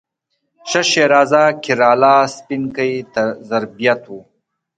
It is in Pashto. ښه ښېرازه کیراله، سپینکۍ زربټ و